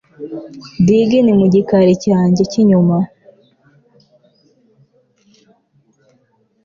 diggin 'mu gikari cyanjye cy'inyuma